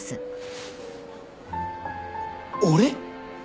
俺？